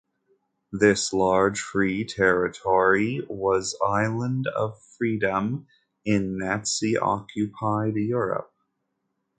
This large free territory was island of freedom in Nazi occupied Europe.